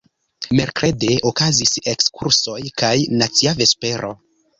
Merkrede okazis ekskursoj kaj nacia vespero.